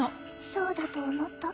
そうだと思った。